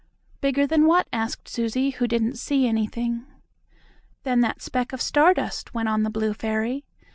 "Bigger than what?" asked Susie, who didn't see anything. "Than that speck of star dust," went on the blue fairy.